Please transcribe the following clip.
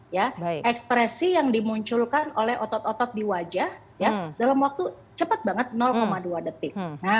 ya ekspresi yang dimunculkan oleh otot otot di wajah ya dalam waktu cepat banget dua detik